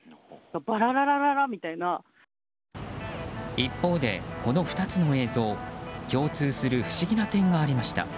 一方で、この２つの映像共通する不思議な点がありました。